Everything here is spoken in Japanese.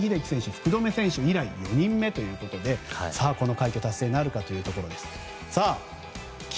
福留選手以来４人目ということでこの快挙達成なるかというところ。